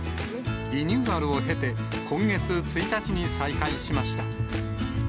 リニューアルを経て、今月１日に再開しました。